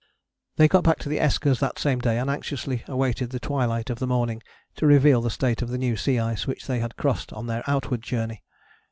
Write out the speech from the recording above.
They got back to the Eskers that same day and anxiously awaited the twilight of the morning to reveal the state of the new sea ice which they had crossed on their outward journey.